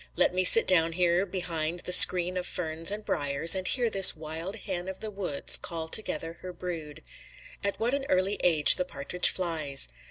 Let me sit down here behind the screen of ferns and briers, and hear this wild hen of the woods call together her brood. At what an early age the partridge flies!